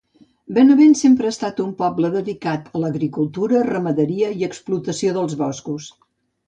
Benavent sempre ha estat un poble dedicat a l'agricultura, ramaderia i explotació dels boscos.